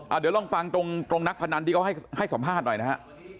เดี๋ยวลองฟังตรงตรงนักพนันที่เขาให้สัมภาษณ์หน่อยนะฮะ